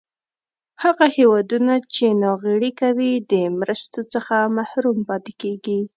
هغه هېوادونه چې ناغیړي کوي د مرستو څخه محروم پاتې کیږي.